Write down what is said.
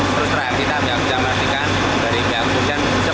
terus terakhir kita nggak bisa memastikan dari pihak kursi yang sebelumnya